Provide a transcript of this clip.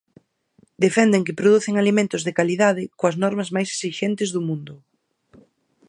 Defenden que producen alimentos de calidade coas normas máis esixentes do mundo.